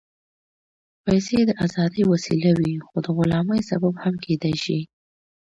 پېسې د ازادۍ وسیله وي، خو د غلامۍ سبب هم کېدای شي.